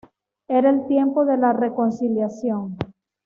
Era el tiempo de la reconciliación.